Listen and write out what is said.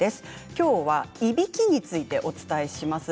きょうは、いびきについてお伝えします。